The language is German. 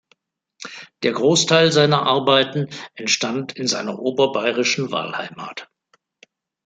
Der Großteil seiner Arbeiten entstand in seiner oberbayerischen Wahlheimat.